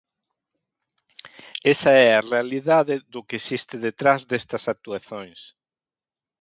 Esa é a realidade do que existe detrás destas actuacións.